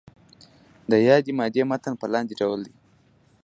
د یادې مادې متن په لاندې ډول دی.